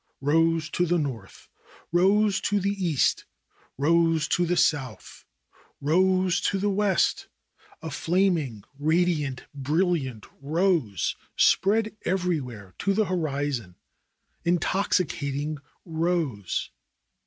Eose to the north, rose to the east, rose to the south, rose to the west — a flaming, radiant, brilliant rose spread everywhere to the horizon. Intoxicating rose